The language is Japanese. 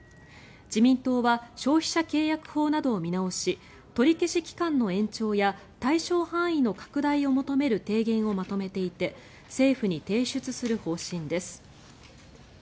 自民党は消費者契約法などを見直し取り消し期間の延長や対象範囲の拡大を求める提言をまとめていて政府に提出する方針です。